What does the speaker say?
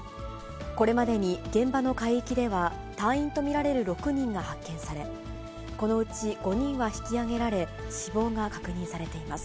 これまでに現場の海域では、隊員と見られる６人が発見され、このうち５人は引き揚げられ、死亡が確認されています。